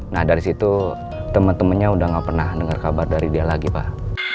nah dari situ temen temennya udah gak pernah dengar kabar dari dia lagi pak